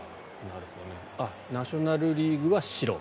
ナショナル・リーグは白。